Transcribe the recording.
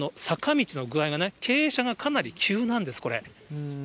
坂道の具合がね、傾斜がかなり急なんです、これ。